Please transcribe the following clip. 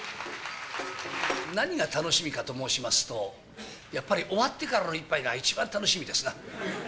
何が楽しみかと申しますと、やっぱり終わってからの一杯が一番楽しみですな。